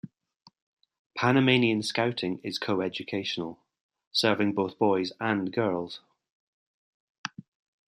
Panamanian Scouting is coeducational, serving both boys and girls.